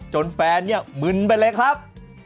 จนแฟนมึนไปเลยครับ